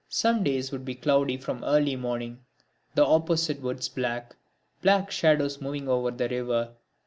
Some days would be cloudy from early morning; the opposite woods black; black shadows moving over the river.